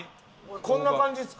こんな感じですか？